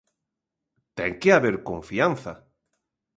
Ten que haber confianza.